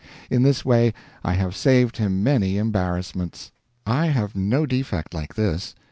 In this way I have saved him many embarrassments. I have no defect like this.